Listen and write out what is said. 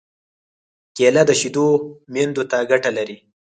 کېله د شېدو میندو ته ګټه لري.